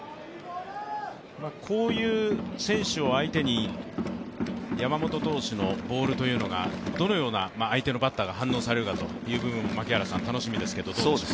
こういう選手を相手に山本投手のボールというのがどのような相手のバッターが反応されるかという部分も槙原さん、楽しみですけどもどうでしょう。